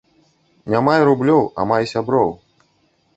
Ня май рублёў, а май сяброў